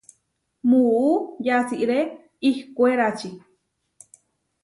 Muú yasiré ihkwérači.